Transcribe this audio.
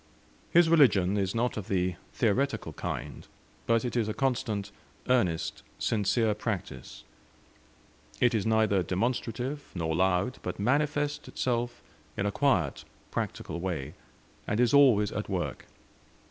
His religion is not of the theoretical kind, but it is a constant, earnest, sincere practice. It is neither demonstrative nor loud, but manifests itself in a quiet, practical way, and is always at work.